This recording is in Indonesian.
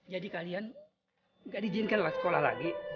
jadi kalian gak di jinkan lewat sekolah lagi